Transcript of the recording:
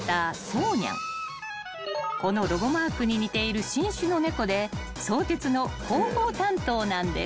［このロゴマークに似ている新種の猫で相鉄の広報担当なんです］